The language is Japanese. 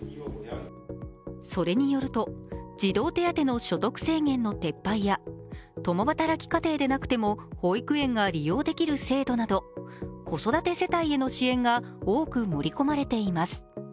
それによると児童手当の所得制限の撤廃や共働き家庭でなくても保育園が利用できる制度など子育て世帯への支援が多く盛り込まれています。